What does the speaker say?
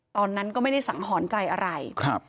ตอนนั้นก็ไม่ได้สังหรณ์ใจอะไรครับ